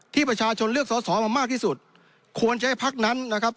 ที่ประชาชนเลือกสอสอมามากที่สุดควรใช้พักนั้นนะครับ